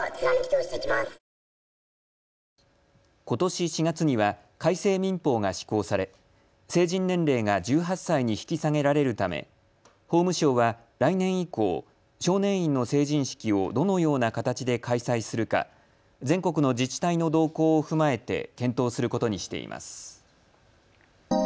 ことし４月には改正民法が施行され成人年齢が１８歳に引き下げられるため法務省は来年以降、少年院の成人式をどのような形で開催するか全国の自治体の動向を踏まえて検討することにしています。